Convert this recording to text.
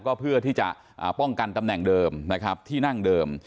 ก็เพื่อที่จะป้องกันตำแหน่งเดิมนะครับที่นั่งเดิม